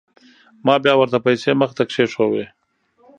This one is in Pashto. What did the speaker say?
ما بيا ورته پيسې مخې ته کښېښووې.